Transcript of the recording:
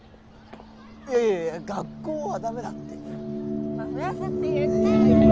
いやいや学校はダメだって！今増やすって言ったよね？